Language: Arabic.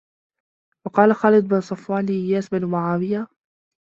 وَقَالَ خَالِدُ بْنُ صَفْوَانَ لِإِيَاسِ بْنِ مُعَاوِيَةَ